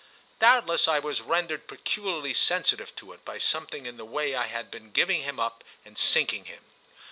Doubtless I was rendered peculiarly sensitive to it by something in the way I had been giving him up and sinking him.